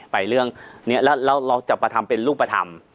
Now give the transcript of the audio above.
ไปเรื่องเนี้ยแล้วเราจะประทำเป็นลูกประทำ